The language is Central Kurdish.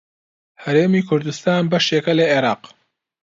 هەرێمی کوردستان بەشێکە لە عێراق.